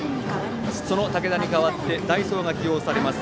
その武田に代わって代走が起用されます